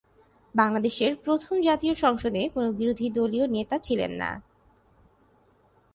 বাংলাদেশের প্রথম জাতীয় সংসদে কোন বিরোধী দলীয় নেতা ছিলেন না।